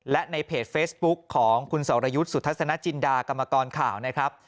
และในเพจเฟซบุ๊คของคุณสรยุทธ์สุทัศนจินดากรรมกรข่าวนะครับ